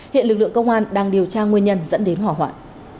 hiện lực lượng công an đang điều tra nguyên nhân dẫn đến hỏa hoạn